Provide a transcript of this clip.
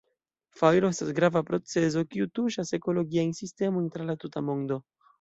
Fajro estas grava procezo kiu tuŝas ekologiajn sistemojn tra la tuta mondo.